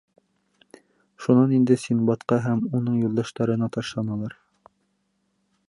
Шунан инде Синдбадҡа һәм уның юлдаштарына ташланалар.